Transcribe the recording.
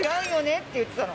って言ってたの。